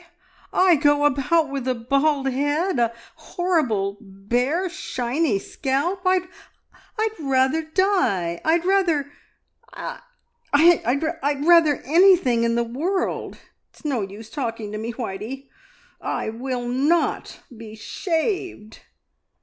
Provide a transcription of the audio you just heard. I go about with a bald head a horrible, bare, shiny scalp! I'd rather die! I'd rather I'd rather I'd rather anything in the world! It's no use talking to me, Whitey; I will not be shaved!"